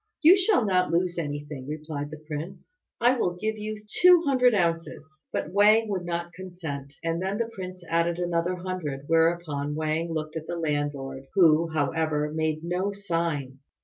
"You shall not lose anything," replied the prince; "I will give you two hundred ounces." But Wang would not consent, and then the prince added another hundred; whereupon Wang looked at the landlord, who, however, made no sign.